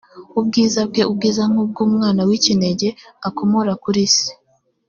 ubwiza bwe ubwiza nk ubw umwana w ikinege i akomora kuri se